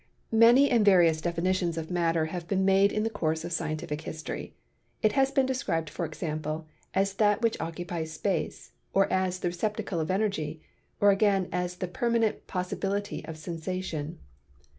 Many and various definitions of matter have been made in the course of scientific history. It has been described, for example, as "that which occupies space," or as "the receptacle of energy," or again as "the permanent possi bility of sensation."